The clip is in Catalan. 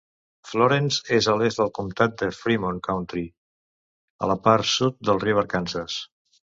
Florence és a l'est del comtat de Fremont County, a la part sud del riu Arkansas.